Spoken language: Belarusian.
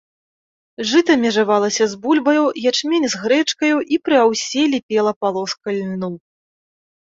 Жыта межавалася з бульбаю, ячмень з грэчкаю, і пры аўсе ліпела палоска льну.